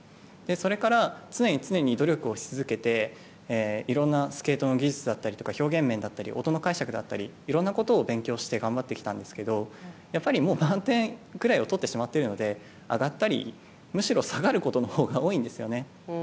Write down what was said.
それから常に常に努力をし続けていろいろなスケートの技術だったり表現面だったり音の解釈だったりいろんなことを勉強して頑張ってきたんですけどやっぱり満点ぐらいを取ってしまっているのでむしろ下がることのほうが多いんですね。